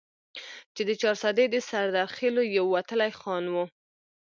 چې د چارسدي د سردرخيلو يو وتلے خان وو ،